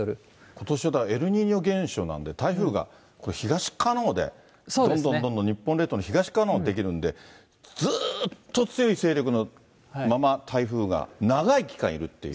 ことしはだから、エルニーニョ現象なんで、台風が東側のほうでどんどんどんどん日本列島の東側のほうで出来るんで、ずっと強い勢力のまま台風が長い期間いるっていう。